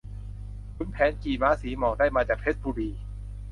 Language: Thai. ขุนแผนขี่ม้าสีหมอก ได้มาจากเพชรบุรี